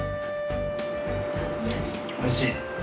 おいしい。